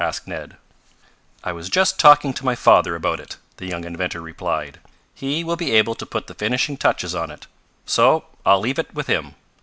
asked Ned. "I was just talking to my father about it," the young inventor replied. "He will be able to put the finishing touches on it. So I'll leave it with him.